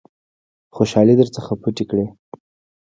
خوشالۍ در څخه پټې کړي .